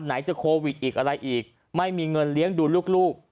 จะโควิดอีกอะไรอีกไม่มีเงินเลี้ยงดูลูก